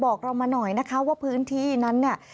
บอกเรามาหน่อยนะคะว่าพื้นที่นั้นเนี่ย